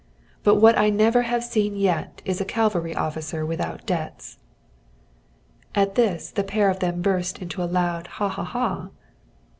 But what I never have seen yet is a cavalry officer without debts." At this, the pair of them burst into a loud ha! ha! ha!